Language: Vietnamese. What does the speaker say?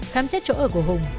khám xét chỗ ở của hùng